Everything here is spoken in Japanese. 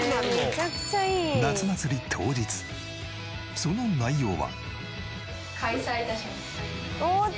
その内容は。